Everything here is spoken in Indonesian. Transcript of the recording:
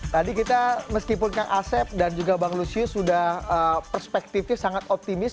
tadi kita meskipun kak asef dan juga bang lucio sudah perspektifnya sangat optimis